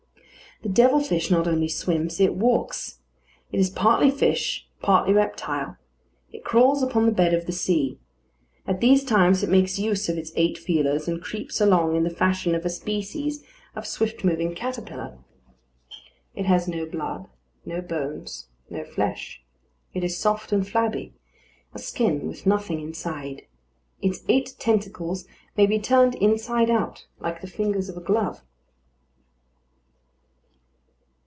The devil fish not only swims, it walks. It is partly fish, partly reptile. It crawls upon the bed of the sea. At these times, it makes use of its eight feelers, and creeps along in the fashion of a species of swift moving caterpillar. It has no blood, no bones, no flesh. It is soft and flabby; a skin with nothing inside. Its eight tentacles may be turned inside out like the fingers of a glove.